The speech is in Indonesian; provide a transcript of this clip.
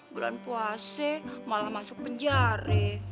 bulan puasa malah masuk penjara